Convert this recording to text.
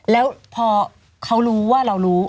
แล้วพอเขารู้ว่าเรารู้